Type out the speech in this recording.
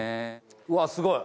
うわっすごい！